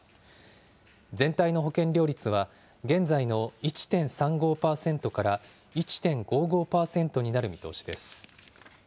全体の保険料率は現在の１．３５％から１．５５％になる見通しです。